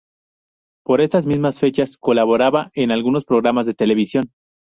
Por estas mismas fechas colaboraba en algunos programas de televisión.